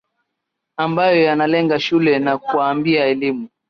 ambayo yanalenga shule na kuwaambia elimu